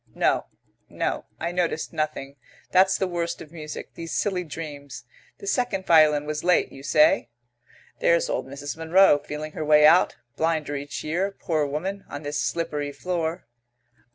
"No, no. I noticed nothing. That's the worst of music these silly dreams. The second violin was late, you say?" "There's old Mrs. Munro, feeling her way out blinder each year, poor woman on this slippery floor."